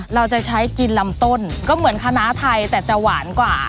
เราจะใช้กินลำต้นก็เหมือนคณะไทยแต่จะหวานกว่า